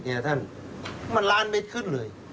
มันล้านบาทขึ้นเลย